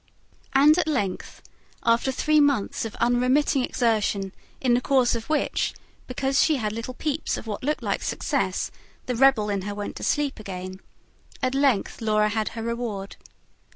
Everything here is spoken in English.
And at length, after three months of unremitting exertion in the course of which, because she had little peeps of what looked like success, the rebel in her went to sleep again at length Laura had her reward.